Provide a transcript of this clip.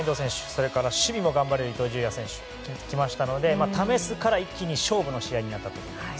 それから守備も頑張れる伊東純也選手を使いましたので「試す」から、一気に勝負の試合になったと思います。